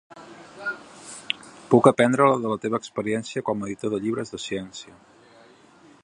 Puc aprendre de la teva experiència com a editor de llibres de ciència.